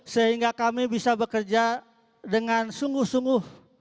sehingga kami bisa bekerja dengan sungguh sungguh